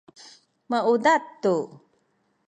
maudad tu